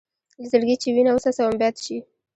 له زړګي چې وینه وڅڅوم بیت شي.